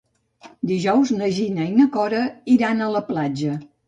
Dijous na Gina i na Cora iran a la platja.